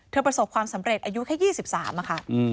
ประสบความสำเร็จอายุแค่๒๓ค่ะ